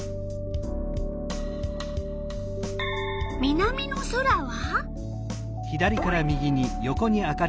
南の空は？